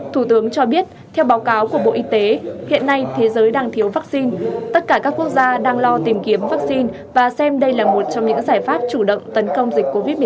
thủ tướng cho biết theo báo cáo của bộ y tế hiện nay thế giới đang thiếu vaccine tất cả các quốc gia đang lo tìm kiếm vaccine và xem đây là một trong những giải pháp chủ động tấn công dịch covid một mươi chín